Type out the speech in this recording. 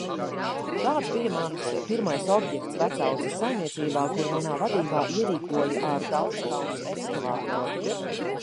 Tāds bija mans pirmais objekts Vecauces saimniecībā, kuru manā vadībā ierīkoja ar daudzkausu ekskavatoru.